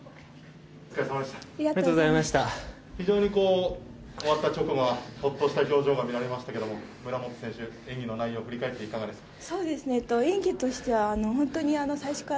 非常に終わった直後はほっとした表情が見られましたけれども村元選手、演技の内容を振り返っていかがでしょうか。